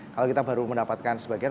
kalau kita baru mendapatkan sebagian